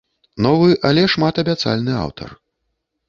Новы, але шматабяцальны аўтар.